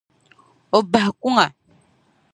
O bahi kuŋa.